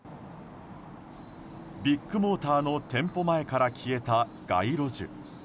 ビッグモーターの店舗前から消えた街路樹。